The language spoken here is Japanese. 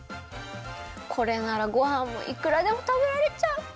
これならごはんがいくらでもたべられちゃう！